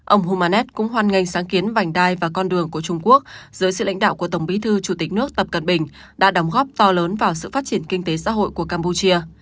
ông humanet cũng hoan nghênh sáng kiến vành đai và con đường của trung quốc dưới sự lãnh đạo của tổng bí thư chủ tịch nước tập cận bình đã đóng góp to lớn vào sự phát triển kinh tế xã hội của campuchia